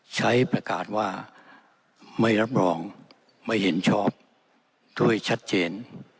ใช้ประกาศว่าไม่รับรองไม่เห็นชอบด้วยชัดเจน